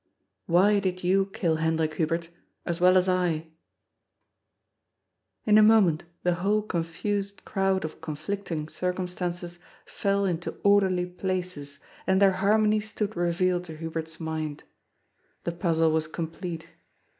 Why did you kill Hendrik, Hubert, as well as I ?" In a moment the whole confused crowd of conflicting circumstances fell into orderly places and their harmony stood revealed to Hubert's mind. The puzzle was complete.